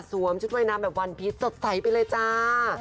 เสวมชุดว่ายน้ำแบบวันพรีสต่อใสไปเลยจรา